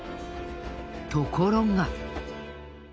ところが。